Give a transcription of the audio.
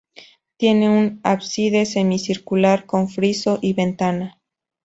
Tiene un ábside semicircular con friso y ventana.